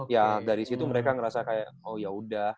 ya dari situ mereka ngerasa kayak oh yaudah